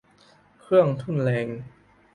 เครื่องทุ่นแรง